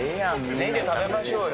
全員で食べましょうよ。